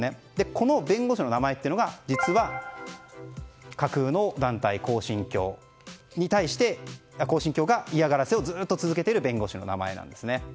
この弁護士の名前というのが架空の団体、恒心教が嫌がらせをずっと続けている弁護士の名前なんです。